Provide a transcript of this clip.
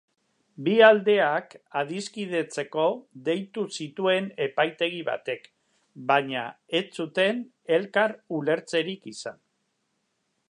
Bi aldeak adiskidetzeko deitu zituen epaitegi batek baina ez zuten elkar ulertzerik izan.